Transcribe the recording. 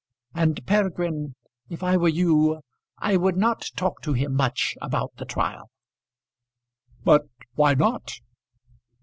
And, Peregrine, if I were you I would not talk to him much about the trial." "But why not?"